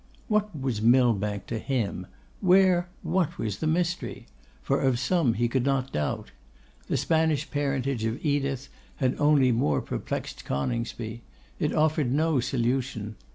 What was Millbank to him? Where, what was the mystery? for of some he could not doubt. The Spanish parentage of Edith had only more perplexed Coningsby. It offered no solution.